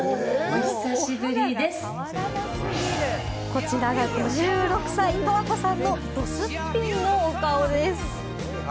こちらが５６歳、十和子さんのどすっぴんのお顔です！